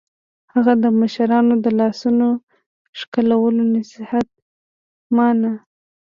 هغه د مشرانو د لاسونو ښکلولو نصیحت مانه